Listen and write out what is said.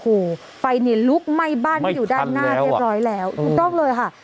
โอ้โหไฟเนี่ยลุกไหม้บ้านที่อยู่ด้านหน้าเรียบร้อยแล้วถูกต้องเลยค่ะ